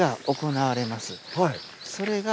それが。